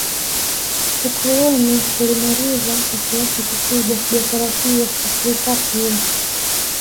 Ukoloni ulimaliza kwa kiasi kikubwa biashara hiyo Afrika pia